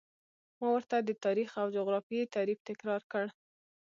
ما ورته د تاریخ او جغرافیې تعریف تکرار کړ.